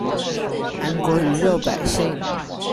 韓國魚肉百姓